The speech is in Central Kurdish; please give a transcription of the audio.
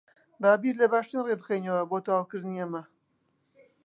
با بیر لە باشترین ڕێ بکەینەوە بۆ تەواوکردنی ئەمە.